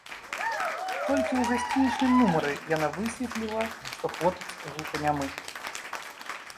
Толькі ў гасцінічным нумары яна высветліла, што хлопец глуханямы.